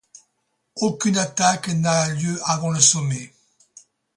Aucune attaque n'a lieu avant le sommet.